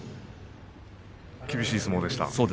厳しい相撲でしたね。